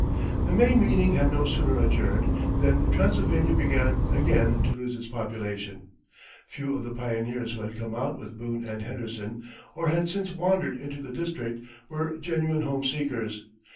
The May meeting had no sooner adjourned than Transylvania began again to lose its population. Few of the pioneers who had come out with Boone and Henderson, or had since wandered into the district, were genuine home seekers.